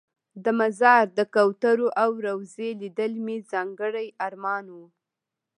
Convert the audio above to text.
د مزار د کوترو او روضې لیدل مې ځانګړی ارمان و.